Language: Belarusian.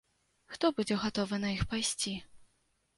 Хто будзе гатовы на іх пайсці?